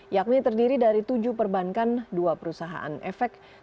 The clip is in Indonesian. yakni terdiri dari tujuh perbankan dua perusahaan efek